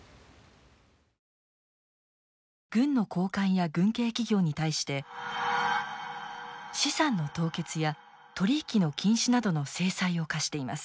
軍の高官や軍系企業に対して資産の凍結や取り引きの禁止などの制裁を科しています。